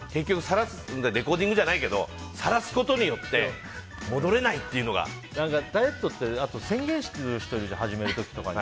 レコーディングじゃないけどさらすことによってダイエットって宣言してる人いるじゃん始める時とかに。